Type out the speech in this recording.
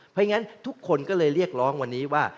เพราะฉะนั้นทุกคนก็เลยเรียกร้องวันนี้ว่า